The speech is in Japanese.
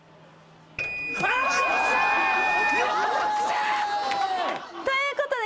あぁ！ということで。